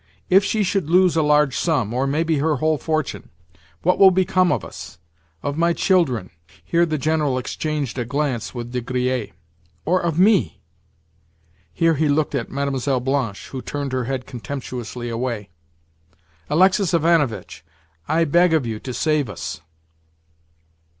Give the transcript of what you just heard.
If she should lose a large sum, or, maybe, her whole fortune, what will become of us—of my children" (here the General exchanged a glance with De Griers) "or of me?" (here he looked at Mlle. Blanche, who turned her head contemptuously away). "Alexis Ivanovitch, I beg of you to save us."